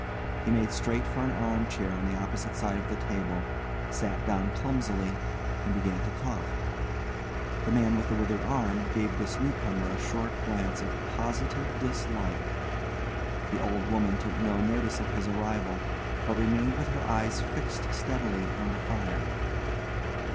He made straight for an arm chair on the opposite side of the table, sat down clumsily, and began to cough. The man with the withered arm gave this new comer a short glance of positive dislike; the old woman took no notice of his arrival, but remained with her eyes fixed steadily on the fire.